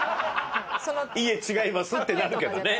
いえ違いますってなるけどね。